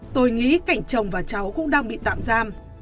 tôi nghĩ cạnh chồng và cháu cũng đang bị tạm giam